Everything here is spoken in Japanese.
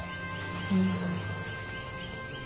うん。